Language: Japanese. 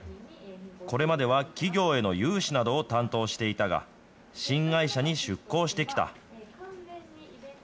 これまでは企業への融資などを担当していたが、新会社に出向してきた。